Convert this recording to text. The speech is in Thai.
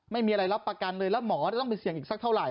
ไม่มีอะไรรับประกันเลยแล้วหมอจะต้องไปเสี่ยงอีกสักเท่าไห